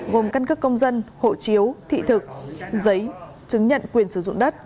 gồm căn cước công dân hộ chiếu thị thực giấy chứng nhận quyền sử dụng đất